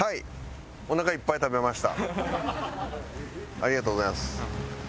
ありがとうございます。